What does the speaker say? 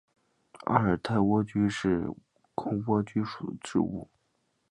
阿尔泰莴苣是菊科莴苣属的植物。